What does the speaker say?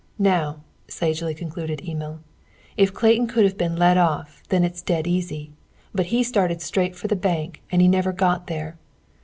"Now," sagely concluded Emil, "if Clayton could have been led off, then it's dead easy; but he started straight for the bank, and never got there.